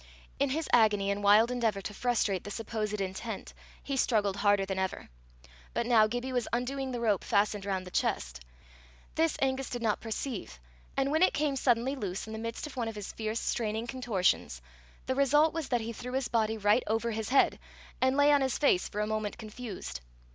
In his agony and wild endeavour to frustrate the supposed intent, he struggled harder than ever. But now Gibbie was undoing the rope fastened round the chest. This Angus did not perceive, and when it came suddenly loose in the midst of one of his fierce straining contortions, the result was that he threw his body right over his head, and lay on his face for a moment confused.